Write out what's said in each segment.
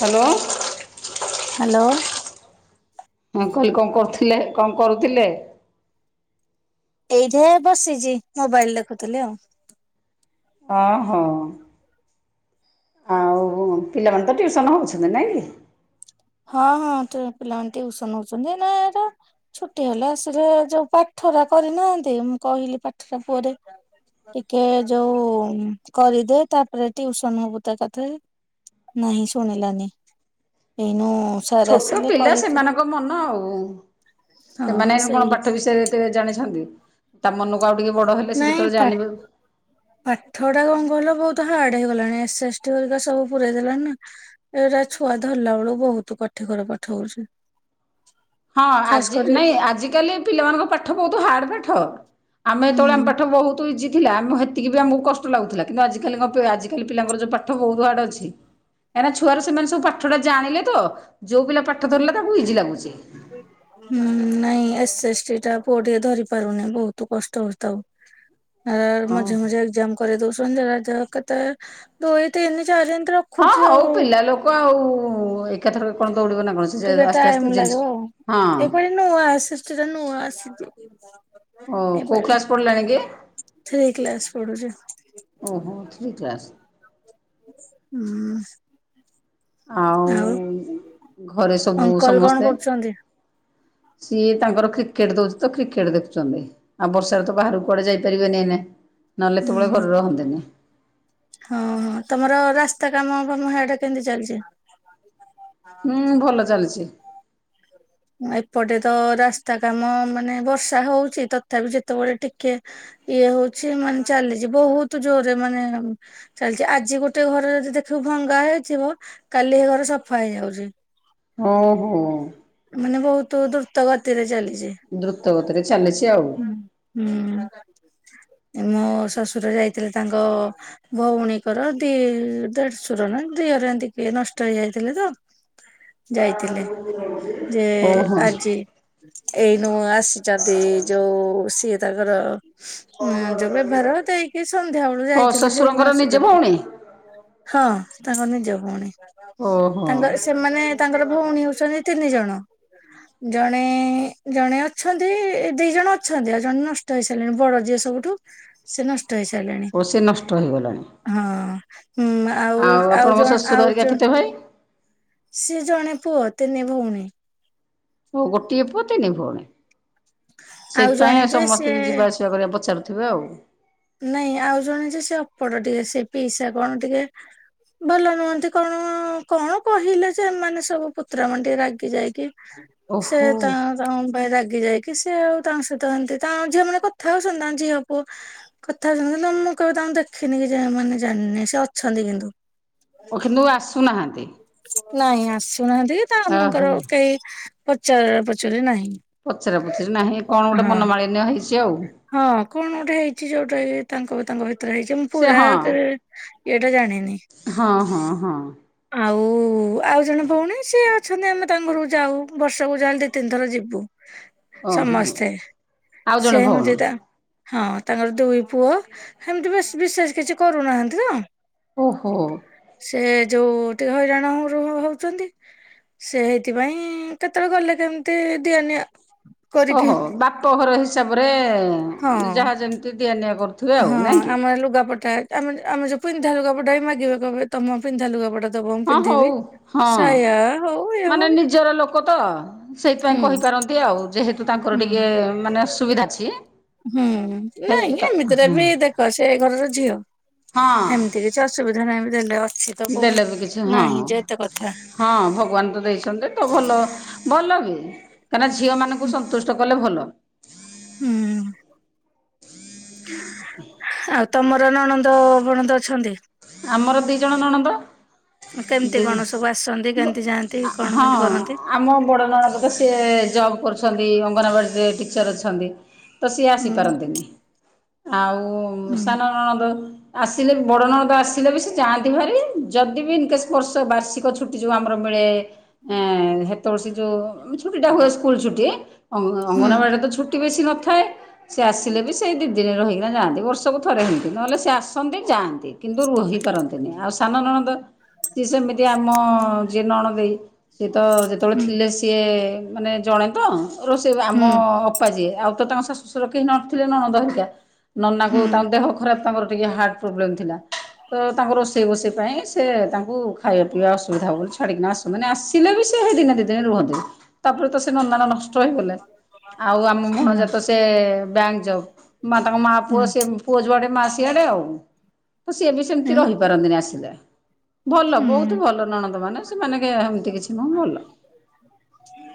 Hello. Hello. ମୁଁ କହିଲି କଣ କରୁଥିଲେ କଣ କରୁଥିଲେ? ଏଇଠେ ବସିଛି ମୋବାଇଲ ଦେଖୁଥିଲି ଆଉ। ଓହୋ। ଆଉ ପିଲାମାନେ ତ ଟ୍ୟୁସନ୍ ହଉଛନ୍ତି ନାଇଁ କି? ହଁ ହଁ ତ ପିଲାମାନେ ଟିଉସନ ହଉଛନ୍ତି। ଏ ନାଇଁ ଏରା ଛୁଟି ହେଲା ଆସୀଲେ ଯୋଉ ପାଠ ହେରା କରିନାହାନ୍ତି ମୁଁ କହିଲି ପାଠଟା ପୁଅରେ ଟିକେ ଯୋଉ କରିଦେ ତାପରେ ଟିଉସନ ହୋବୁ ତ ଏକାଥରେ ନାହିଁ ଶୁଣିଲାନି ଏଇନୁ ସାର୍ ଛୋଟ ଆସିଲେ ପିଲା କରିଚୁ। ସେମାନଙ୍କ ମନ ଆଉ। ସେମାନେ ହଁ କଣ ସେଇଆ ପାଠ ବିଷୟରେ ଏତ ଜାଣିଛନ୍ତି ତା ମନକୁ ଆଉ ଟିକେ ବଡ଼ ହେଲେ ସେ ନାଇଁ ଯେତେବେଳେ ପା ଜାଣିବେ ପାଠ ଟା କଣ କଲ ବହୁତ ହାର୍ଡ ହେଇଗଲାଣି ଏସ୍ ଏସ୍ଟି ହେରିକା ସବୁ ପୁରେଇ ଦେଲାଣି ନା ଏଇଟା ଛୁଆ ଧରିଲା ବେଳକୁ ବହୁତ କ ଏଠି ଘର ପାଠ ହୋଉଚି। ହଁ ଆଜି ନାଇଁ ଆଜିକାଲି ପିଲାମାନଙ୍କ ପାଠ ବହୁତ ହାର୍ଡ ପାଠ। ଆମେ ହେତେବେଳେ ଆମ ହୁଁ। ପାଠ ବହୁତ ଇଜି ଥିଲା ଆମ ହେତିକି ବି ଆମକୁ କଷ୍ଟ ଲାଗୁଥିଲା। କିନ୍ତୁ ଆଜିକାଲିଙ୍କ ପ ଆଜିକାଲି ପିଲାଙ୍କର ଯୋଉ ପାଠ ବହୁତ ୱାଡ ଅଛି କାହିଁକିନା ଛୁଆରୁ ସେମାନେ ସବୁ ପାଠ ଟା ଜାଣିଲେ ତ ଯୋଉ ପିଲା ପାଠ ଧରିଲା ତାକୁ ଇଜି ଲାଗୁଛି। ହୁଁ ନାଇଁ ଏସେ ଏସ୍ଟି ଟା ପୁଅଟିକେ ଧରି ପାରୁନି ବହୁତ କଷ୍ଟ ହେଉଛି ତାକୁ। [inaudible] ଆ ମଝିରେ ଓହୋ ମଝିରେ ଏକ୍ଜାମ କରେଇ ଦଉଛନ୍ତି ଯେ ଦେହ କେତେବେଳେ ଦୁଇ ତିନ ଚାରି ହଁ ରଖୁଛି ଆଉ ହଉ ପିଲା ଲୋକ ଆଉ ଏକାଥରକେ କଣ ଦୌଡିବ ନା କଣ? ଆସ୍ତେ ଆସ୍ତେ ଜିନିଷ ହଁ ଏପଟ ନୂଆ ଆସି ସେଟା ନୂଆ ଆସିଛି। ଓ କୋଉ ଏଇପାଳି। କ୍ଲାସ ପଢିଲାଣି କି? ଥ୍ରୀ କ୍ଲାସ ପଢୁଛି ଓହୋ ଥ୍ରୀ କ୍ଲାସ। ହୁଁ। ଆଉ ଘରେ ସବୁ ଅଙ୍କଲ କଣ ସମସ୍ତେ? କରୁଛନ୍ତି? ସିଏ ତାଙ୍କର କ୍ରିକେଟ ଦଉଛି ତ କ୍ରିକେଟ ଦେଖୁଛନ୍ତି। ଆଉ ବର୍ଷାରେ ତ ବାହାରକୁ କୁଆଡେ ଯାଇପାରିବେନି ଏନେ। ନ ହେଲେ ହୁଁ ଏତେ ବେଳେ ହୁଁ ଘରେ ରହନ୍ତିନି। ହଁ ହଁ ତମର ରାସ୍ତା କାମ ବା ହୀଆଡ଼େ କେମତି ଚାଲିଛି? ହୁଁ ଭଲ ଚାଲିଛି ଏପଟେ ତ ରାସ୍ତା କାମ ମାନେ ବର୍ଷା ହଉଛି ତଥାପି ଯେତେବେଳେ ଟିକେ ଇଏ ହଉଛି ମାନେ ଚାଲିଛି ବହୁତ ଜୋରରେ ମାନେ ଚାଲିଚି। ଆଜି ଗୋଟେ ଘରେ ଯଦି ଦେଖିବୁ ଭଙ୍ଗା ହେଇଥିବ କାଲି ଏ ଘର ସଫା ହେଇଯାଉଛି। ହଁ ହୋ। ମାନେ ବହୁତ ଦ୍ରୁତ ଗତିରେ ଚାଲିଛି ହୁଁ। ଦ୍ରୁତ ଗତିରେ ଚାଲିଛି ଆଉ ମୋ ଶ୍ୱଶୁର ଯାଇଥିଲେ ତାଙ୍କ ଭଉଣୀଙ୍କର ଦି ଦେଢଶୁର ନା ଦିଅର ଏମିତି କିଏ ନଷ୍ଟ ହେଇଯାଇଥିଲେ ତ ଯାଇଥିଲେ [unintelligible] ଯେ ଓହୋ। ଆଜି। ଏଇନୁ ଆସିଚନ୍ତି ଯୋଉ ସିଏ ତାଙ୍କର ଯୋଉ ବେଭାର ଦେଇକି। ସନ୍ଧ୍ୟାବେଳେ ଯାଇଥିଲେ। ଯେ ଏଇନୁ ଶଶୁରଙ୍କର ନିଜ ଆସୁଛନ୍ତି। ଭଉଣୀ? ହଁ ତାଙ୍କ ନିଜ ଭଉଣୀ ଓହୋ ତାଙ୍କ ସେମାନେ ତାଙ୍କର ଭଉଣୀ ହଉଚନ୍ତି ତିନି ଜଣ। ଜଣେ ଜଣେ ଅଛନ୍ତି ଦି ଜଣ ଅଛନ୍ତି ଆଉ ଜଣେ ନଷ୍ଟ ହେଇସାରିଲେଣି ବଡ଼ ଯିଏ। ସବୁଠୁ ସେ ନଷ୍ଟ୍ ଓ ସେ ନଷ୍ଟ ହେଇଗଲେଣି। ହଁ ହୁଁ ଆଉ ଆଉ ଆପଣଙ୍କ ଜଣ ଶ୍ୱଶୁର ଆଉ ହେରିକା ଜଣ କେତେ ଭାଇ? ସିଏ ଜଣେ ପୁଅ ତିନି ଭଉଣୀ। ଓ ଗୋଟିଏ ପୁଅ ତିନି ଭଉଣୀ ଆଉ ଜଣେ ସେଇଥିପାଇଁ ଯେ ସିଏ ସମସ୍ତଙ୍କୁ ଯିବା ଆସିବା କରିବା ପଚାରୁ ଥିବେ ଆଉ। ନାଇଁ ଆଉ ଜଣେ ଯେ ସେ ଅପଡ଼ ଟିକେ ସେ ପିଇସା କଣ ଟିକେ ଭଲ ନୁହନ୍ତି କଣ କଣ କହିଲେ ଯେ ଏମାନେ ସବୁ ପୁତୁରା ମାନେ ଟିକେ ରାଗି ଯାଇକି ସେ ଓହୋ ତା ତାଙ୍କ ପାଇଁ ରାଗିଯାଇ କି ସେ ଆଉ ତାଙ୍କ ସହିତ ହେମିତି ତାଙ୍କ ଝିଅ ମାନେ କଥା ହଉଛନ୍ତି ତାଙ୍କ ଝିଅ ପୁଅ କଥା ହଉଚନ୍ତି କିନ୍ତୁ ମୁଁ କେବେ ତାଙ୍କୁ ଦେଖିନି କି ଜା ଜାଣିନି ମାନେ ସେ ଅଛନ୍ତି କିନ୍ତୁ। ଓ କିନ୍ତୁ ଆସୁନାହାନ୍ତି? ନାଇଁ ଆସୁନାହାନ୍ତି କି ଓହୋ ତାଙ୍କର କେହି ପଚାର ପଚାରୁ ନାହିଁ। ପଚରା ପୁଚୁରି ନାହିଁ କଣ ଗୋଟେ ହଁ ମନମାଳିନ୍ୟ ହେଇଛି ଆଉ। ହଁ କଣ ଗୋଟେ ହେଇଛି ଯୋଉଟା ତାଙ୍କ ତାଙ୍କ ଭିତ ହେଇଛି ମୁଁ ସେ ପୁରା ହଁ କେବେ ଇଏଟା ଜାଣିନି ହଁ ହଁ ହଁ ଆଉ ଓ ଆଉ ଜଣେ ଭଉଣୀ ସିଏ ଅଛନ୍ତି ଆମେ ତାଙ୍କ ଘରକୁ ଯାଉ ବର୍ଷକୁ ଯା ହେଲେ ଦି ତିନିଥର ଯିବୁ। ଓହୋ ସମସ୍ତେ ଆଉ ଜଣେ ସେ ଭଉଣୀ। [unintelligible] ହଁ ତାଙ୍କର ଦୁଇ ପୁଅ ହେମିତି ବିଶ୍ ବିଶେଷ କିଛି କରୁନାହାନ୍ତି ନା। ଓ ହୋ। ଯୋଉ ଟିକେ ହଇରାଣ [unintelligible] ହଉଚନ୍ତି। ସେଇଥିପାଇଁ କେତେବେଳେ ଗଲେ କେମିତି ଦିଆ ନିଆ କରିକି ଓହୋ ବାପଘର ହିସାବରେ ହଁ। ଯାହା ଯେମିତି ଦିଆ ନିଆ କରୁଥିବେ ଆଉ ହଁ ନାଇଁ କି? ଆମର ଲୁଗାପଟା ଆମେ ଆମେ ଯୋଉ ପିନ୍ଧା ଲୁଗା ପଟା ବି ମାଗିବେ କହିବେ ତମ ପିନ୍ଧା ଲୁଗା ପଟା ଦବ ମୁଁ ହଁ ହଉ ପିନ୍ଧିବି ହଁ ସାୟା ହ ମାନେ ନିଜର ଲୋକ ତ ସେଇଥିପାଇଁ ହୁଁ କହିପାରନ୍ତି ଆଉ ଯେହେତୁ ତାଙ୍କର ହୁଁ ଟିକେ ମାନେ ଅସୁବିଧା। ଅଛି। ହୁଁ ହେ ନାଇଁ ତା ଏମିତିରେ ହଁ। ବି ଦେଖ ସେ ଏ ଘରର ଝିଅ। ହଁ। ହେମିତି କିଛି ଅସୁବିଧା ନାହିଁ ଦେଲେ ଅଛି ତ କୋଉ ଦେଲେ ବି କିଛି ହଁ ନାହିଁ ଯେ ଏତେ କଥା ହଁ ଭଗବାନ ତ ଦେଇଛନ୍ତି ତ ଭଲ। ଭଲ ବି କାହିଁନା ଝିଅ ହୁଁ ମାନଙ୍କୁ ସନ୍ତୁଷ୍ଟ କଲେ ଭଲ। ହୁଁ। ଆଉ ହଁ ତମର ନଣନ୍ଦ ବଣନ୍ଦ ଅଛନ୍ତି? ଆମର ଦି ଜଣ ନଣନ୍ଦ। କେମିତି ଦି କଣ ସବୁ ଆ ହଁ ଆମ ବଡ଼ ନଣନ୍ଦ ତ ସିଏ ଜବ୍ କରୁଛନ୍ତି [unintelligible] ଅଙ୍ଗନବାଡ଼ି ରେ ଟିଚର୍ ଅଛନ୍ତି ତ ସିଏ ହୁଁ ଆସିପାରନ୍ତିନି। ଆଉ ହୁଁ ସାନ ନଣଦ ଆସିଲେ ବି ବଡ଼ ନଣଦ ଆ ଆସିଲେ ବି ସେ ଯାଆନ୍ତି ଭେରି ଯଦି ବି [unintelligible] ବର୍ଷ ବାର୍ଷିକ ଛୁଟି ଯୋଉ ଆମର ମିଳେ। [unintelligible] ସେ ଯୋଉ ଛୁଟି ଟା ହୁଏ ସ୍କୁଲ୍ ଛୁଟି ହୁଁ ଅଙ୍ଗନବାଡ଼ି ରେ ତ ଛୁଟି ବେଶୀ ନଥାଏ। ସେ ଆସିଲେ ବି ସେଇ ଦି ଦିନ ରହିକିନା ଯାଆନ୍ତି। ବର୍ଷକୁ ଥରେ ହିନ୍ତି ନହେଲେ ସେ ଆସନ୍ତି ଯାଆନ୍ତି। କିନ୍ ରହିପାରନ୍ତିନି। ଆଉ ସାନ ନଣନ୍ଦ ସିଏ ସେମିତି ଆମ ଯିଏ ନଣଦେଇ ସିଏ ତ ଯେତେବେଳେ ହୁଁ ଥିଲେ ସିଏ ମାନେ ଜଣେ ତ ରୋଷେଇ ଆମ ହୁଁ ଅପା ଯିଏ ଆଉ ତ ତାଙ୍କ ଶାଶୁ ଶଶୁର କେହି ନ ଥିଲେ ନଣନ୍ଦ ହେରିକା। ହୁଁ। ନନାଙ୍କୁ ତାଙ୍କ ଦେହ ଖରାପ ତାଙ୍କର ଟିକେ ହାର୍ଟ ପ୍ରୋବ୍ଲେମ୍ ଥିଲା। ତ ତାଙ୍କ ରୋଷେଇ ବୋଷେଇ ପାଇଁ ସେ ତାଙ୍କୁ ଖାଇବା ପିଇବା ଅସୁବିଧା ହବ ବୋଲି ଛାଡ଼ିକିନା ଆସୁ, ମାନେ ଆସିଲେ ବି ସେ ଏ ଦିନେ ଦି ଦିନ ରୁହନ୍ତି। ତାପରେ ତ ସେ ନନା ନଷ୍ଟ ହେଇଗଲେ। ଆଉ ଆମ ହୁଁ ଭଣଜା ତ ସେ ବ୍ୟାଙ୍କ୍ ଜବ୍ ମା ତାଙ୍କ ମା ପୁଅ ସେ ପୁଅ ଯୁଆଡେ ମା ସି ସିଆଡେ ଆଉ। ତ ସିଏ ବି ସେମିତି ହୁଁ ରହିପାରନ୍ତିନି ଆସିଲେ। ଭଲ ହୁଁ ବହୁତ ଭଲ ନଣନ୍ଦ ମାନେ ସେମାନେ କେ-ହେମିତି କିଛି ନୁହଁ ଭଲ।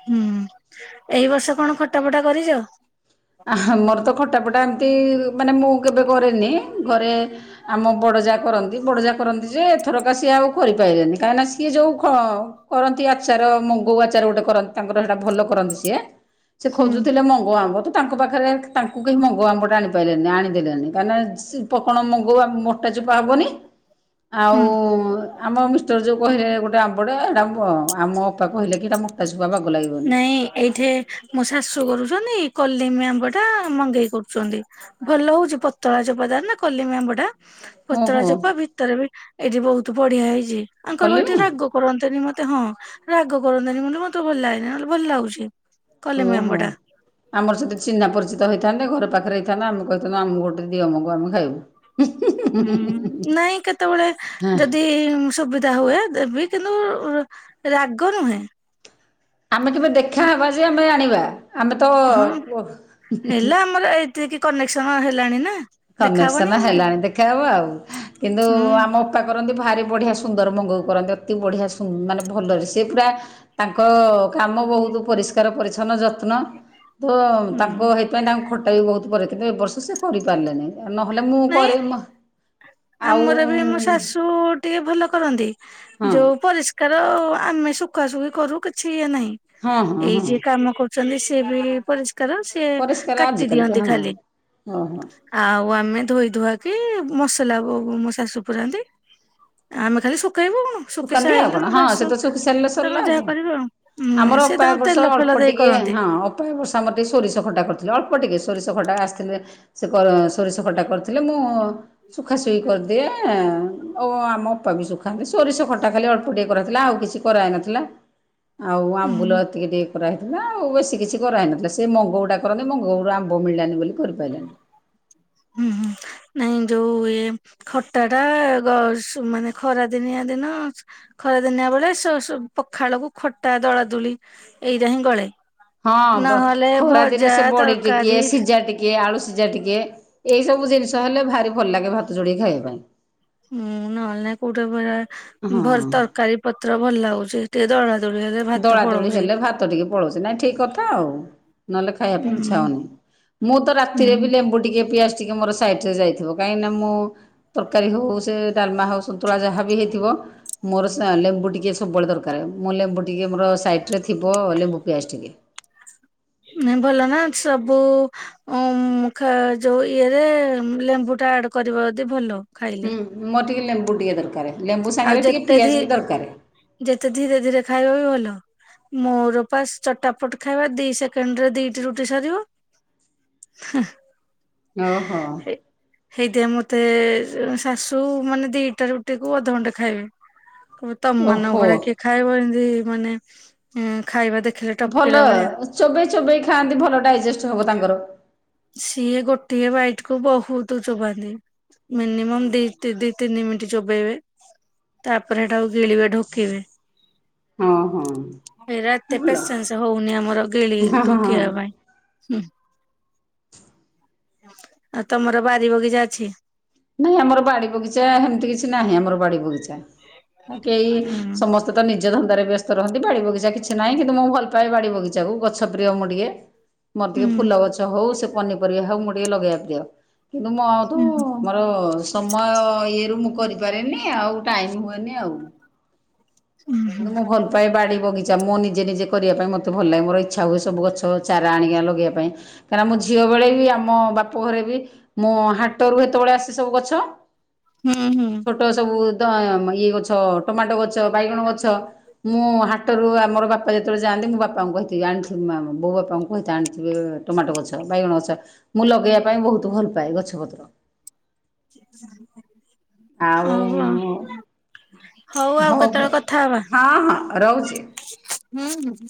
ହୁଁ, ଏଇ ବର୍ଷ କଣ ଖଟା ଫଟା କରିଚ? ଆହା ମୋର ତ ଖଟା ଫଟା ଏମିତି ମାନେ ମୁଁ କେବେ କରେନି। ଘରେ ଆମ ବଡ ଜାଆ କରନ୍ତି। ବଡଜା କରନ୍ତି ଯେ ଏଥରକା ସିଏ ଆଉ କରିପାଇଲେନି। କାହିଁକିନା ସିଏ ଯୋଉ ଖ-କରନ୍ତି ଆ ଆଚାର ମୁଙ୍ଗୁ ଆଚାର ଗୋଟେ କରନ୍ତି ତାଙ୍କର ସେଟା ଭଲ କରନ୍ତି ସିଏ। ସେ ହୁଁ ଖୋଜୁଥିଲେ ମଙ୍ଗ ଆମ୍ବ। ତ ତାଙ୍କ ପାଖରେ ତାଙ୍କୁ କେହି ମଙ୍ଗ ଆମ୍ବ ଟା ଆଣି ପାଇ ଆଣିଦେଲେନି କାହିଁ ନା ସି-ପ-କଣ ମ ଗୋଆ ମୋଟା ଚୋପା ହବନି। ଆଉ ହୁଁ। ଆମ ମିଷ୍ଟର୍ ଯୋଉ କହିଲେ ଗୋଟେ ଆମ୍ବଟେ ଏଟା ବ-ଆମ ଅପା କହିଲେ କି ହେଟା ମୁଟା ଚୁ ନାଇଁ ଏଇଠି ମୁଁ ଶାଶୁ କରୁ ଛନି, କଲିମି ଆମ୍ବ ଟା ମଗେଇ କରୁଛନ୍ତି। ଭଲ ହଉଛି ପତଳା ଚୋପା ତାର ନା କଲିମି ଆମ୍ବ ଟା। ପତଳା ଓହୋ ଚୋପା ଭିତରେ ବି ଏଇଠି ବହୁତ ବଢିଆ ହେଇଛି। ଆଙ୍କର ଭାଇ ଏଠି କଲେଣି ରାଗ କରନ୍ତିନି ମୋ ତେ ହଁ ରାଗ କରନ୍ତିନି ବୋଲି ମୋତେ ଭଲ ଲାଗେନା। ନହେଲେ ଭଲ ଲାଗୁଛି। କଲିମି ଆମ୍ବ ଓହୋ, ଟା ଆମର ସେତେ ଚିହ୍ନା ପରିଚିତ ତ ହେଇଥାନ୍ତେ ଘର ପାଖରେ ହେଇଥାନ୍ତା ଆମେ କହିଥାନ୍ତୁ ଆମକୁ ଗୋଟେ ଦିଅ ମଙ୍ଗ ଆମେ ଖାଇବୁ। ହୁଁ ନାଇଁ କେତେବେଳେ ହଁ ଯଦି ସୁବିଧା ହୁଏ। ଦେବି କିନ୍ତୁ ରାଗ ନୁହେଁ। ଆମେ କେବେ ଦେଖାହବା ଯେ ଆମେ ଆଣିବା। ଆମେ ତ ହଁ ଓଃ କନେକ୍ସନ୍ ହେଲାଣି ନା। ଦେଖାହବନି କନେକ୍ସନ୍ କଣ ପାଇଁ ହେଲାଣି ଦେଖାହବ ଆଉ। କିନ୍ତୁ ହୁଁ ଆମ ଅପା କ କରନ୍ତି ଭାରି ବଢିଆ ସୁନ୍ଦର ମଙ୍ଗକୁ କରନ୍ତି ଅତି ବଢିଆ ସୁ- ମାନେ ଭଲରେ ସି ପୁରା ତାଙ୍କ କାମ ବହୁତ ପରିଷ୍କାର, ପରିଚ୍ଛନ୍ନ, ଯତ୍ନ। ତ ତାଙ୍କ ହୁଁ ହେଇଥିପାଇଁ ତାଙ୍କ ଖଟା ବି ବହୁତ କରିଥିଲେ। କିନ୍ତୁ ଏ ବର୍ଷ ସେ କରିପାରିଲେନି। ନହେଲେ ମୁଁ ନାଇଁ କରେ ମୋହ ଆମର ବି ଆମ ଶାଶୁ ଟିକେ ଭଲ କରନ୍ତି ହଁ ଯୋଉ ପରିଷ୍କାର ଆମେ ଶୁଖାଶୁଖି କରୁ କିଛି ଇଏ ନାହିଁ। ହଁ ହଁ ଏଇ ହଁ ଯିଏ କାମ କରୁଛନ୍ତି ସିଏ ବି ପରିଷ କାର ସିଏ ପରିଷ୍କାର କାଟି ଆଜିକାଲି ତ ଦିଅନ୍ତି ହଁ ଖାଲି। ଓହୋ ଆଉ ଆମେ ଧୋଇ ଧୁଆକି ମସ ସଲାକୁ କୁ ମୋ ଶାଶୁ ପୁରାନ୍ତି ଆମେ ଖାଲି ଶୁ କେଇବୁ କଣ ଶୁକି ଶୁଖାନ୍ତି ଆଉ ସାଇଲେ କଣ ମୋ ହଁ ଶାଶୁ ସେ ତ ଶୁଖି ସାରିଲେ ତମେ ସରିଲା ଆଉ ଯାହା କଣ। କରିବ ଆଉ ଉଁ, ସେ ତାଙ୍କ ତେଲ ଫେଲ ପ ଦେଇ ଟିକିଏ କରନ୍ତି ହଁ ଅପା ଏ ବର୍ଷ ଆମର ଟିକେ ସୋରିଷ ଖଟା କରିଥିଲେ। ଅଳ୍ପ ଟିକେ ସୋରିଷ ଖଟା ଆସିଥିଲେ ସେ କର ସୋରିଷ ଖଟା କରିଥିଲେ ମୁଁ ଶୁଖା ଶୁଖି କରିଦିଏ। ଓ ଆମ ଅପା ବି ଶୁଖାନ୍ତି। ସୋରିଷ ଖଟା ଖାଲି ଅଳ୍ପ ଟିକେ କରାଥିଲା। ଆଉ କିଛି କରାହେଇନଥିଲା। ଆଉ ଆମ୍ବୁଲ ହୁଁ। ଏତିକି ଟିକେ କରାହେଇଥିଲା। ଆଉ ବେଶୀ କିଛି କରାହେଇନଥିଲା। ସେ ମଙ୍ଗଉଟା କରନ୍ତି ମଙ୍ଗ କୋଉଟୁ ଆମ୍ବ ମିଳିଲାନି ବୋଲି କରିପାରିଲାନି। [inaudible] ହୁଁ ହୁଁ [inaudible] ନାଇଁ ଯୋଉ ଇଏ ଖଟା ଟା ଗ-ସୁ-ମାନେ ଖରା ଦିନିଆ ଦିନ ଖ ଖରାଦିନିଆ ବେଳେ ସସୁ ପଖାଳକୁ ଖଟା ଦଳା ଦୁଳି ଏଇଟା ହିଁ ଗଳେ। ହଁ ନହେଲେ ବ-ଖରା ଦିନେ ଭଜା ସେ ବଡି ଟିକେ, ତରକାରୀ ସିଜା ଟିକେ, ଆଳୁ ସି ଜା ଟିକିଏ ଏଇ ସବୁ ଜିନିଷ ହେଲେ ଭାରି ଭଲ ଲାଗେ ଭାତ ଯୋଡିକି ଖାଇବା ପାଇଁ। ହୁଁ ନହେଲେ ନା କୋଉଟେ ପୁର ହଁ ଭଲ ତରକାରୀପତ୍ର ଭଲ ଲାଗୁଛି ଟିକେ ଦଳା ଦଳି ହେଲେ ଭାତ ଦଳାଦଳି ପଳଉଛି ହେଲେ ଭାତଟିକେ ପଳଉଛି ନାଇଁ ଠିକ କଥା ଆଉ ନହେଲେ ଖାଇବା ଉଁ ପାଇଁ ଇଚ୍ଛା ହଉନି। ମୁଁ ତ ହୁଁ ରାତିରେ ବି ଲେମ୍ବୁ ଟିକେ ପିଆଜ ମୋର ସାଇଟରେ ଯାଇଥିବ କାହିଁକିନା ମୁଁ ତରକାରୀ ହଉ ସେ ଡାଲମା ହଉ ସନ୍ତୁଳା ଯାହା ବି ହେଇଥିବ। ମୋର ସେ ଲେମ୍ବୁ ଟିକେ ସବୁବେଳେ ଦରକାର ମୁଁ ଲେମ୍ବୁ ଟିକେ ମୋର ସାଇଟରେ ଥିବ ଲେମ୍ବୁ ପିଆଜ ଟିକେ। ନା ଭଲ ନା ସବୁ ଯୋଉ ଇଏରେ ଲେମ୍ବୁ ଆଡ କରିବାଦି ଭଲ। ହୁଁ ଖାଇଲେ ମୋର ଟିକେ ଲେମ୍ବୁ ଟିକେ ଦରକାର ଲେମ୍ବୁ ଆଉ ସାଙ୍ଗରେ ଟିକେ ଯେତେ ଧ ପିଆଜ ବି ଦରକାର। ଯେତେ ଧୀରେ ଧୀରେ ଖାଇବା ବି ଭଲ। ମୋର ପା ଚଟାପଟ ଖାଇବା ଦି ସେକେଣ୍ଡରେ ଦିଟି ରୁଟି ସରିବ। ହ ଓହୋ ହେଇଦଆ ମତେ ଶାଶୁ ମାନେ ଦିଟା ରୁଟିକୁୁ ଅଧଘଣ୍ଟେ ଖାଇବେ। ତମମାନଙ୍କ ଓହୋ ଭଳିଆ କିଏ ଖାଇବ ଏମିତି ମାନେ ଖାଇବା ଦେ ଭଲ ଚୋବେଇ ଚୋବେଇ ଖାଆନ୍ତି, ଭଲ ଡାଇଜେଷ୍ଟ ହବ ତାଙ୍କର। ସିଏ ଗୋଟିଏ ବାଇଟକୁ ବହୁତ ଚୋବାନ୍ତି। ମିନିମମ୍ ଦି ଦି ତିନି ମିନିଟ୍ ଚୋବେେଇବେ। ତାପରେ ସେଟାକୁ ଗିଳିବେ ଢ଼ୋକିବେ। ହଁ ହଁ ଏରା ଏତେ ଭଲ ପେଶନସେ ହଉନି ଆମର। ଗିଳି ହଁ ହଁ ହଁ ଢ଼ୋକିବା ପାଇଁ। ଆଉ ତମର ବାରିବଗିଚା ଅଛି? ନାଇଁ ଆମର ବାଡିବଗିଚା ହେମିତି କିଛି ନାହିଁ ଆମର ବାଡିବଗିଚା। ଆ କେଇ ଉଁ ସମସ୍ତେ ତ ନିଜ ନିଜ ଧନ୍ଦାରେ ବ୍ୟସ୍ତ ରହନ୍ତି, ବାଡିବଗିଚା କିଛି ନାହିଁ। କିନ୍ତୁ ମୁଁ ଭଲ ପାଏ ବାଡିବଗିଚାକୁ ଗଛ ପ୍ରିୟ ମୁଁ ଟିକେ। ମୋର ଟିକେ ହୁଁ ଫୁଲଗଛ ହଉ ସେ ପନିପରିବା ହଉ ମୁଁ ଟିକେ ଲଗେଇବା ପ୍ରିୟ। କିନ୍ତୁ ମୁଁ ଆଉ ତୁ ହୁଁ ମର ସମୟ ଇଏରୁ ମୁଁ କରିପାରେନି ଆଉ ଟାଇମ ହୁଏନି ଆଉ। ହୁଁ କିନ୍ତୁ ମୁଁ ଭଲପାଏ ବାଡିବଗିଚା ମଁ ନିଜେ ନିଜେ କରିବା ପାଇଁ ମୋତେ ଭଲ ଲାଗେ ମୋର ଇଚ୍ଛା ହୁଏ ସବୁ ଗଛ ଚାରା ଆଣିକି ଲଗେଇବା ପାଇଁ କାହିଁକନା ମୁଁ ଝିଅ ବେଳେ ବି ଆମ ବାପ ଘରେ ବି ମୋ ହାଟରୁ ସେତେବେଳେ ଆସି ସବୁ ଗଛ। ହୁଁ ହୁଁ ଛୋଟ ସବୁ ତ ଇଏ ଗଛ ଟମାଟୋ ଗଛ ବାଇଗଣ ଗଛ। ମୁଁ ହାଟରୁ ଆମର ବାପା ଯେତେବେଳେ ଯାଆନ୍ତି ମୁଁ ବାପାଙ୍କୁ କହିଥିଲି ଆଣିି ବୋଉ ବାପାଙ୍କୁ କହିଥା ଆଣିଥା ଟମାଟୋ ଗଛ, ବାଇଗଣ ଗଛ ମୁଁ ଲଗେଇବା ପାଇଁ ବହୁତ ଭଲ ପାଏ ଗଛପତ୍ର। ଆଉ ହଉହ। ହଉ ଆଉ କେତେବେଳେ କଥା ହବା। ହଁ ହଁ ରହୁଛି ହୁଁ ହୁଁ।